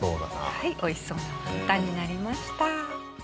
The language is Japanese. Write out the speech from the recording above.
はい美味しそうなワンタンになりました。